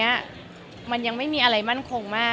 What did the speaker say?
แกว่าปูว่าจะได้เป็นนนะ